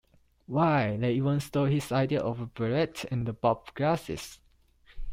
Why, they even stole his idea of the beret and bop glasses.